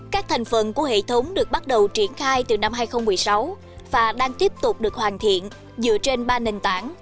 các thành phần của hệ thống được bắt đầu triển khai từ năm hai nghìn một mươi sáu và đang tiếp tục được hoàn thiện dựa trên ba nền tảng